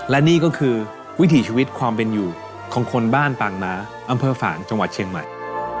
และนี่ก็คือวิถีชีวิตความเป็นอยู่ของคนบ้านปางม้าอำเภอฝ่างจังหวัดเชียงใหม่